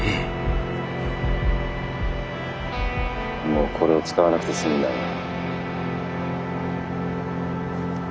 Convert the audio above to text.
もうこれを使わなくて済むんだな。